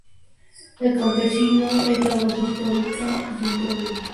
El campesinado es la base histórica de un pueblo y su herencia productiva.